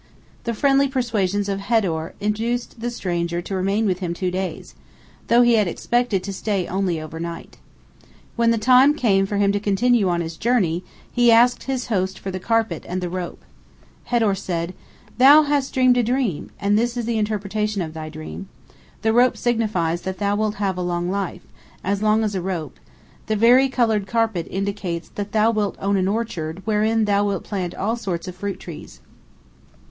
The friendly persuasions of Hedor induced the stranger to remain with him two days, though he had expected to stay only overnight. When the time came for him to continue on his journey, he asked his host for the carpet and the rope. Hedor said: "Thou hast dreamed a dream, and this is the interpretation of thy dream: the rope signifies that thou wilt have a long life, as long as a rope; the varicolored carpet indicates that thou wilt own an orchard wherein thou wilt plant all sorts of fruit trees."